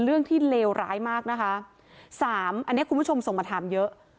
เรื่องที่เลวร้ายมากนะคะสามอันนี้คุณผู้ชมส่งมาถามเยอะ